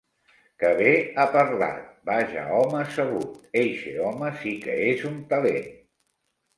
Que bé ha parlat! Vaja home sabut! Eixe home sí que és un talent!